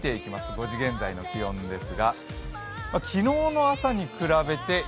５時現在の気温です。